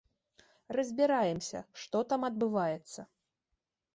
Разбіраемся, што там адбываецца.